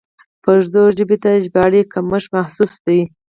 پښتو ژبې ته د ژباړې کمښت محسوس دی.